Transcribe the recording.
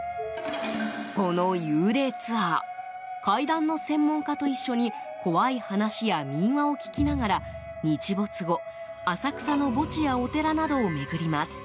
この幽霊ツアー怪談の専門家と一緒に怖い話や民話を聞きながら日没後、浅草の墓地やお寺などを巡ります。